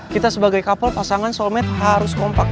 kita sebagai couple pasangan soalnya harus kompak